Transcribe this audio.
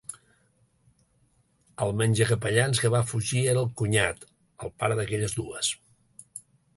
El menjacapellans que va fugir era el cunyat, el pare d'aquelles dues.